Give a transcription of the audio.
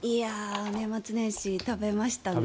年末年始食べましたので。